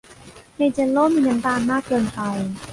ในเจลโล่มีน้ำตาลมากเกินไป